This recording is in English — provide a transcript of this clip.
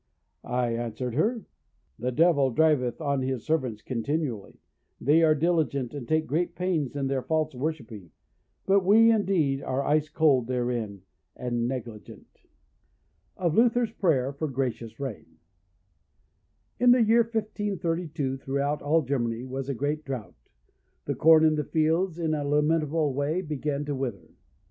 I answered her, the devil driveth on his servants continually; they are diligent, and take great pains in their false worshipping, but we, indeed, are ice cold therein, and negligent. Of Luther's Prayer for a gracious Rain. In the year 1532, throughout all Germany was a great drought, the corn in the fields in a lamentable way began to wither.